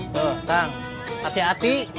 tuh tang hati hati